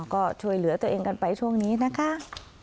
ก็ช่วยเหลือตัวเองกันไปช่วงนี้นะคะ